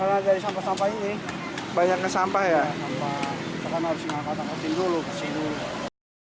waring ini sebenarnya efektif menyaring sampah agar tidak masuk ke kali namun di satu sisi sampah ini justru menyulitkan kerja petugas saat melepas waring waring ini dicopot